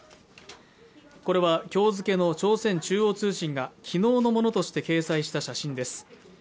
これは今日付の朝鮮中央通信がきのうのものとして掲載した写真です